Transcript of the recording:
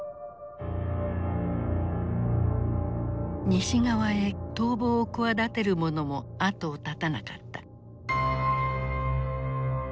西側へ逃亡を企てる者も後を絶たなかった。